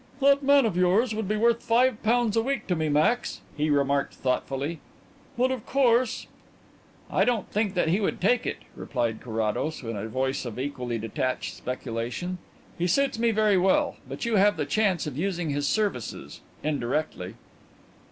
"That man of yours would be worth five pounds a week to me, Max," he remarked thoughtfully. "But, of course " "I don't think that he would take it," replied Carrados, in a voice of equally detached speculation. "He suits me very well. But you have the chance of using his services indirectly."